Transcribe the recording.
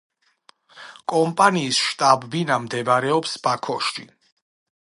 კომპანიის შტაბ-ბინა მდებარეობს ბაქოში.